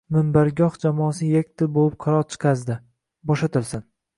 Minbargoh jamoasi yakdil bo‘lib qaror chiqazdi: bo‘shatilsin!